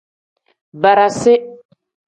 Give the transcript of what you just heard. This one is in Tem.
Barasi.